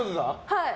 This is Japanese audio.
はい。